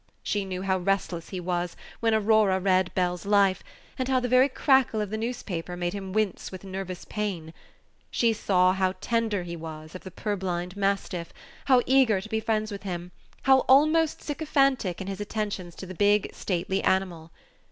She knew how restless he was when Aurora read Bell's Life, and how the very crackle of the newspaper made him wince with nervous pain. She knew how tender he was of the purblind mastiff, how eager to be friends with him, how almost sycophantic in his attentions to the big, stately animal.